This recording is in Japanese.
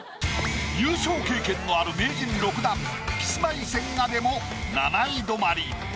優勝経験のある名人６段キスマイ・千賀でも７位止まり。